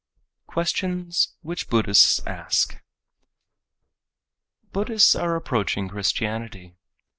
Questions Which Buddhists Ask_ Buddhists are approaching Christianity.